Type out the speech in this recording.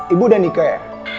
ibu dan ika ya